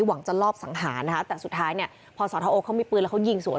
หวังจะรอบสังหาแต่สุดท้ายนี้